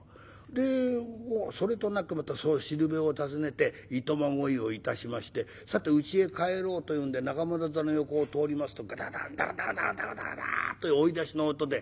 でそれとなくまたそのしるべを訪ねて暇乞いを致しましてさてうちへ帰ろうというんで中村座の横を通りますとガタガタガタガタガタッと追い出しの音で。